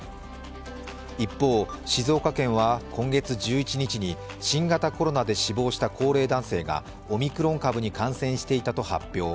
一方、静岡県は今月１１日に新型コロナで死亡した高齢男性がオミクロン株に感染していたと発表。